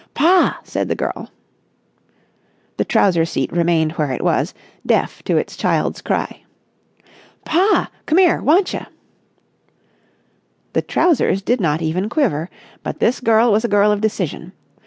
"Pa!" said the girl. The trouser seat remained where it was, deaf to its child's cry. "Pa! Cummere! Wantcha!" The trousers did not even quiver. But this girl was a girl of decision.